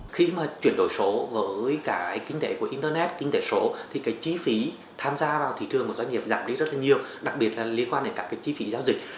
khi mà chuyển đổi số với cả kinh tế của internet kinh tế số thì cái chi phí tham gia vào thị trường của doanh nghiệp giảm đi rất là nhiều đặc biệt là liên quan đến các cái chi phí giao dịch